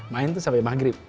main tuh sampai maghrib